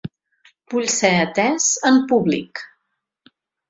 Vull ser atés en públic.